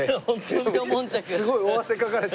すごい大汗かかれて。